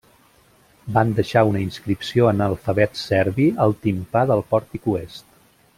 Van deixar una inscripció en alfabet serbi al timpà del pòrtic oest.